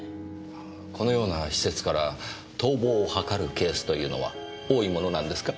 このような施設から逃亡を図るケースというのは多いものなんですか？